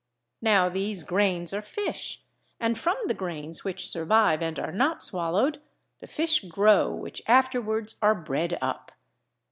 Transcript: Now these grains are fish, and from the grains which survive and are not swallowed, the fish grow which afterwards are bred up.